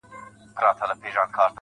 هر څه هېره كاندي_